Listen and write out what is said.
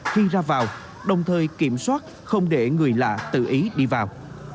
khi ra vào đồng thời kiểm soát không để người lạ tự ý đi vào